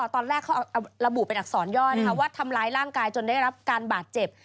ตอนแรกเขาระบุเป็นอักษรย่อนะคะว่าทำร้ายร่างกายจนได้รับการบาดเจ็บ